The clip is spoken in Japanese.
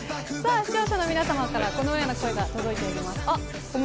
視聴者の皆さまからこのような声が届いています。